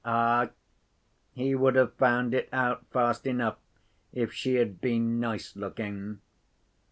Ah! he would have found it out fast enough if she had been nice looking.